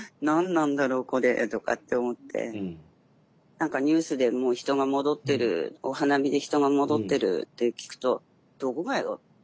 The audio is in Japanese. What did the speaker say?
何かニュースでもう人が戻ってるお花見で人が戻ってるって聞くとどこがよって。